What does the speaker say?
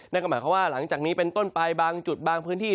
นั่นก็หมายความว่าหลังจากนี้เป็นต้นไปบางจุดบางพื้นที่